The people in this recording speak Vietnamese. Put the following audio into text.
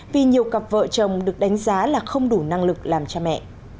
vì nhiều cặp vợ chồng được đánh giá là không đủ năng lực làm cha mẹ